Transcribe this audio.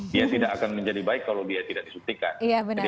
dia tidak akan menjadi baik kalau dia tidak disuntikan